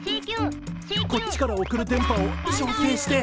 こっちから送る電波を調整して。